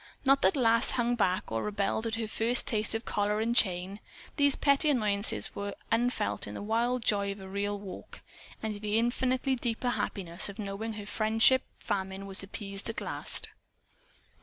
Not that Lass hung back or rebelled at her first taste of collar and chain! These petty annoyances went unfelt in the wild joy of a real walk, and in the infinitely deeper happiness of knowing her friendship famine was appeased at last.